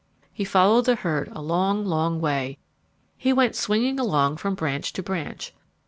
He followed the herd a long, long way. He went swinging along from branch to branch.